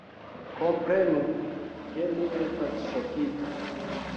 Komprenu, ke mi estas ŝokita!